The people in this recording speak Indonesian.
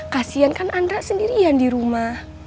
kasian kan andra sendirian di rumah